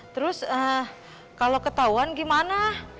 terus kalo ketauan gimana